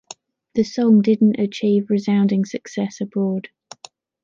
The song didn’t achieve resounding success abroad.